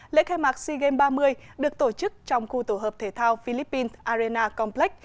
lễ khai mạc sea games ba mươi được tổ chức trong khu tổ hợp thể thao philippines arena complex